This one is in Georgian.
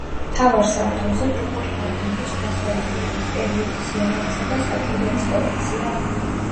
მთავარ სართულზე ჯორჯ ჰარდინგის შუასაუკუნეების პერიოდის იარაღისა და საჭურველის კოლექციაა.